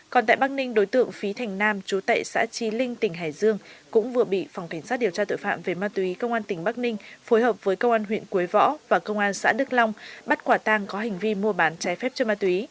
còn tại bắc ninh đối tượng phí thành nam chú tại xã trí linh tỉnh hải dương cũng vừa bị phòng cảnh sát điều tra tội phạm về ma túy công an tỉnh bắc ninh phối hợp với công an huyện quế võ và công an xã đức long bắt quả tang có hành vi mua bán trái phép cho ma túy